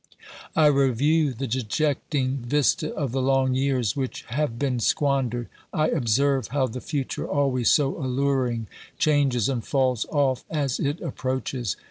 I review the dejecting vista of the long years which have been squandered. I observe how the future, always so alluring, changes and falls off as it approaches.